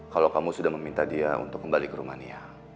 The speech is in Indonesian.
kalau kamu sudah meminta dia untuk kembali ke rumania